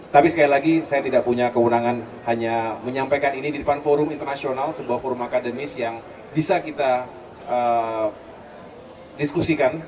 tapi sekali lagi saya tidak punya kewenangan hanya menyampaikan ini di depan forum internasional sebuah forum akademis yang bisa kita diskusikan